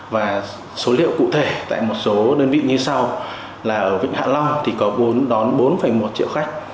và số liệu cụ thể tại một số đơn vị như sau là ở vịnh hạ long thì có đón bốn một triệu khách